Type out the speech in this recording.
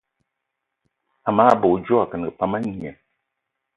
Amage bè odjo akengì pam a ngné.